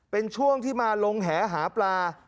เป็นช่วงที่มาลงแหหาปลา